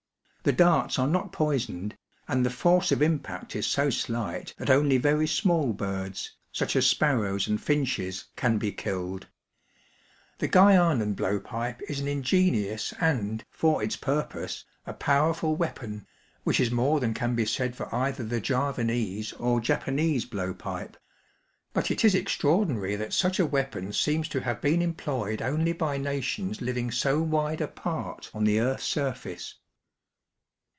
The darts are not poisoned, and the force of impact is so slight that only very small birds, such as sparrows and finches, can be killed. The Guianan blow pipe is an ingenious and, for its purpose, a powerful weapon, which is more than can be said for either the Javanese or Japanese blow pipe ; but it is extraordinary that such a weapon seems to have been employed only by nations living so wide apart on the earth's surface.